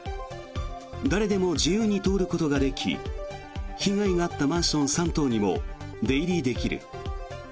誰でも自由に通ることができ被害があったマンション３棟にも出入りできる。